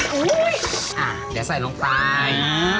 เดี๋ยวใส่ลงไป